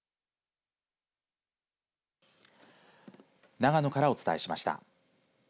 長野からお伝えしました。